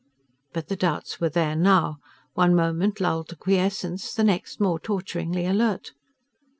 But the doubts were there now, one moment lulled to quiescence, the next more torturingly alert.